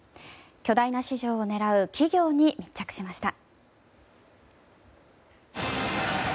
巨大な市場を狙う企業に密着しました。